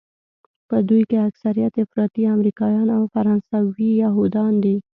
په دوی کې اکثریت افراطي امریکایان او فرانسوي یهودیان دي.